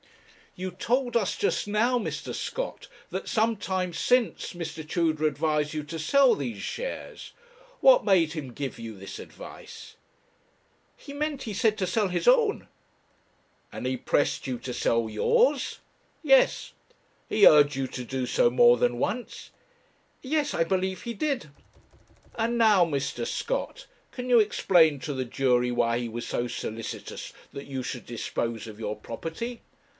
You told us just now, Mr. Scott, that some time since Mr. Tudor advised you to sell these shares what made him give you this advice?' 'He meant, he said, to sell his own.' 'And he pressed you to sell yours?' 'Yes.' 'He urged you to do so more than once?' 'Yes; I believe he did.' 'And now, Mr. Scott, can you explain to the jury why he was so solicitous that you should dispose of your property?'